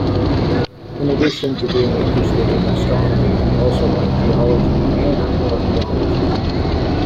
In addition to being interested in astronomy, he also liked geology and archeology.